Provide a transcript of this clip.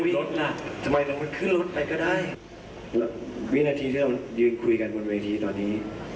วินาทีที่เรายืนคุยกันบนเวทีตอนนี้